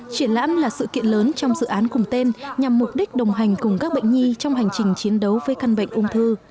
triển lãm là sự kiện lớn trong dự án cùng tên nhằm mục đích đồng hành cùng các bệnh nhi trong hành trình chiến đấu với căn bệnh ung thư